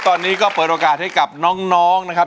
ตอนนี้ก็เปิดโอกาสให้กับน้องนะครับ